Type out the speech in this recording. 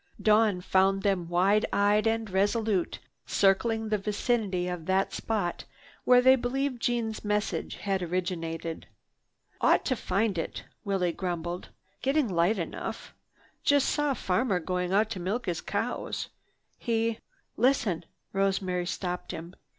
Dawn found them wide eyed and resolute, circling the vicinity of that spot where they believed Jeanne's message had originated. "Ought to find it," Willie grumbled. "Getting light enough. Just saw a farmer going out to milk his cows. He—" "Listen!" Rosemary stopped him.